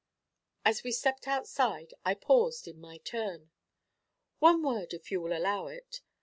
As we stepped outside I paused in my turn. 'One word, if you will allow it.